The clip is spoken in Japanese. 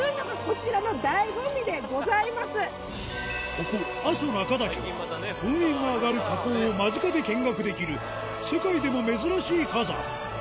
ここ阿蘇中岳は噴煙が上がる火口を間近で見学できる世界でも珍しい火山